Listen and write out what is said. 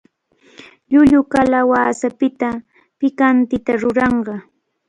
Llullu kalawasapita pikantita ruranqa.